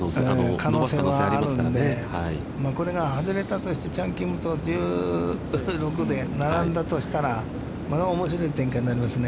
可能性があるので、これが外れたとして、チャン・キムと１６で並んだとしたら、またおもしろい展開になりますね。